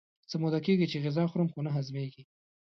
څه موده کېږي چې غذا خورم خو نه هضمېږي.